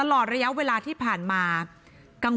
หนูจะให้เขาเซอร์ไพรส์ว่าหนูเก่ง